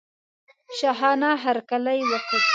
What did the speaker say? شاهانه هرکلی وکړ.